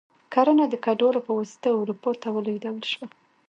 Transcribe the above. کرنه د کډوالو په واسطه اروپا ته ولېږدول شوه.